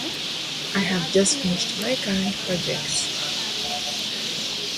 Describe what methods of project management will be used in the field of education.